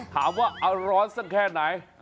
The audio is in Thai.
ถามว่าเอาร้อนสักแค่ไหน